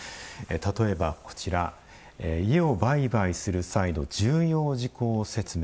例えばこちら家を売買する際の「重要事項説明」。